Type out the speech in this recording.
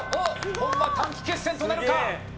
本間、短期決戦となるか？